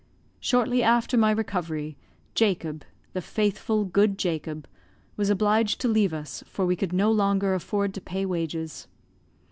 Shortly after my recovery, Jacob the faithful, good Jacob was obliged to leave us, for we could no longer afford to pay wages.